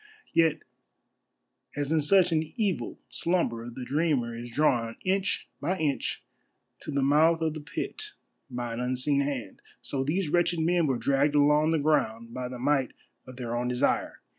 Yet as in such an evil slumber the dreamer is drawn inch by inch to the mouth of the pit by an unseen hand, so these wretched men were dragged along the ground by the might of their own desire.